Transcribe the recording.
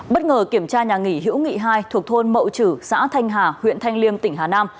bất ngờ kiểm tra nhà nghỉ hiễu nghị hai thuộc thôn mậu chử xã thanh hà huyện thanh liêm tỉnh hà nam